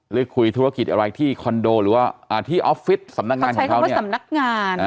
หรือคุยธุรกิจอะไรที่คอนโดหรือว่าที่ออฟฟิศสำนักงานของเขาเนี่ย